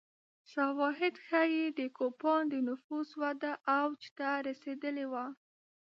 شواهد ښيي د کوپان د نفوس وده اوج ته رسېدلې وه